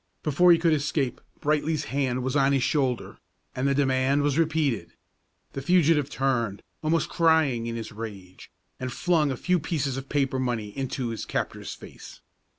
Before he could escape, Brightly's hand was on his shoulder, and the demand was repeated. The fugitive turned, almost crying in his rage, and flung a few pieces of paper money into his captor's face.